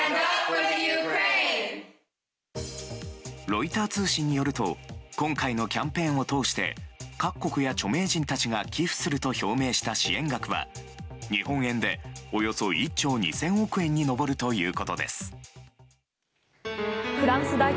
ロイター通信によると今回のキャンペーンを通して各国や著名人たちが寄付すると表明した支援額は日本円でおよそ１兆２０００億円にぜんぶがぜんぶ